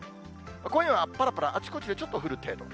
今夜はぱらぱら、あちこちでちょっと降る程度。